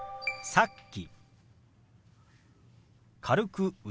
「さっき」。